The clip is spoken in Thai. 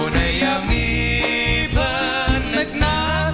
ในยาวนี้เพลินนักหนา